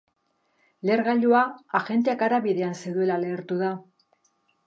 Lehergailua agenteak hara bidean zeudela lehertu da.